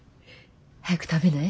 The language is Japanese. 早く食べない？